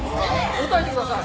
答えてください！